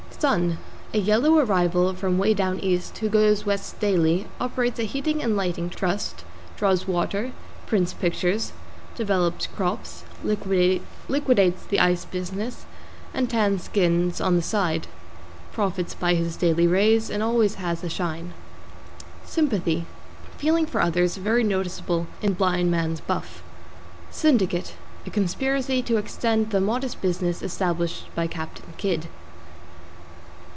=SUN= A yellow arrival from Way Down East, who goes west daily, operates a heating and lighting trust, draws water, prints pictures, develops crops, liquidates the ice business and tans skins on the side. Profits by his daily rays and always has a shine. =SYMPATHY= Feeling for others; very noticeable in Blind Man's Buff. =SYNDICATE= A conspiracy to extend the modest business established by Captain Kidd.